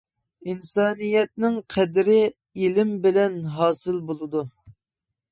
ئىنسانىيەتنىڭ قەدرى ئىلىم بىلەن ھاسىل بولىدۇ.